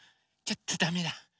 ちょっとダメだ。